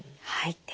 はい。